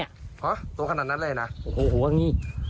ฮะตัวขนาดนั้นเลยนะโอ้โหอย่างนี้